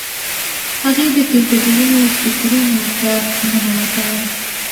هغې د کرکټرونو فکرونو ته ننوتله.